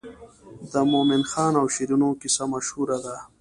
د مومن خان او شیرینو کیسه مشهوره ده.